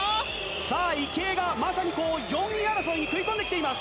池江がまさに４位争いに食い込んできています。